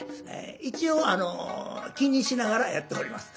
一応あの気にしながらやっております。